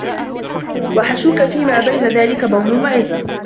وَحَشْوُك فِيمَا بَيْنَ ذَلِكَ بَوْلٌ وَعَذِرَةٌ